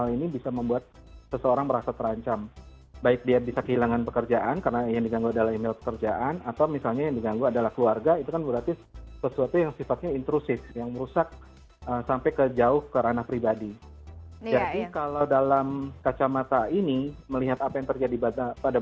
ini bukan lagi sekedar melewati bahasa